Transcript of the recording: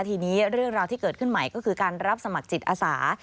ทีนี้เรื่องราวที่เกิดขึ้นใหม่ก็คือการรับสมัครจิตอาสา